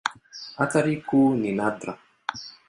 Athari kuu ni nadra.